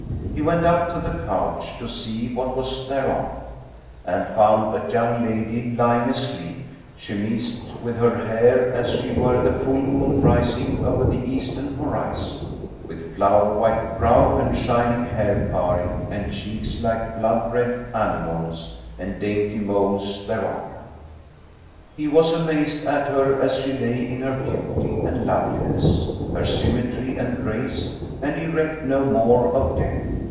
He went up to the couch, to see what was thereon, and found a young lady lying asleep, chemised with her hair[FN#12] as she were the full moon rising[FN#13] over the Eastern horizon, with flower white brow and shining hair paring and cheeks like blood red anemones and dainty moles thereon. He was amazed at her as she lay in her beauty and loveliness, her symmetry and grace, and he recked no more of death.